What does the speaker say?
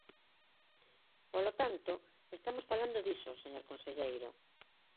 Polo tanto, estamos falando diso, señor conselleiro.